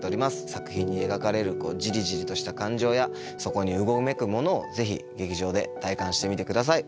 作品に描かれるじりじりとした感情や、そこにうごめくものを、ぜひ劇場で体感してみてください。